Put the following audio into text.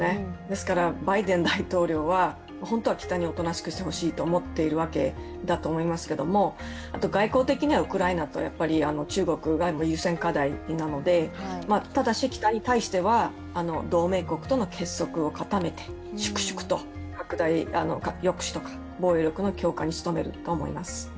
ですからバイデン大統領は本当は北におとなしくしてほしいと思っているわけだと思いますが、あと外交的にはウクライナと中国が優先課題なのでただし、北に対しても同盟国との結束を高めて粛々と核抑止や防衛力の強化に努めると思います。